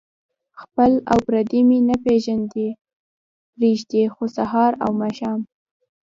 خپل او پردي مې نه پرېږدي خو سهار او ماښام.